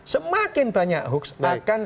semakin banyak hoax akan